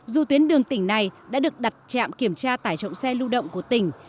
dù tuyến đường tỉnh này đã được đặt trạm kiểm tra tải trọng xe lưu động của tỉnh